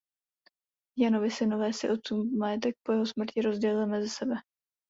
Janovi synové si otcův majetek po jeho smrti rozdělili mezi sebe.